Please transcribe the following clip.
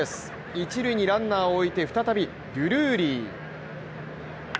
一塁にランナーを置いて再びデュルーリー。